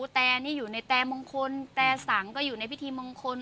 แต่นี่อยู่ในแตมงคลแต่สังก็อยู่ในพิธีมงคล